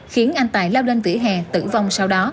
khiến anh tài lao lên vỉa hè tử vong sau đó